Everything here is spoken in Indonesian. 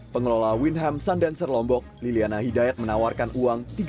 pengelola winham sundancer lombok liliana hidayat menawarkan uang